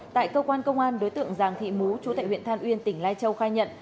tại cơ quan công an đối tượng giàng thị mú chú tại huyện than uyên tỉnh lai châu khai nhận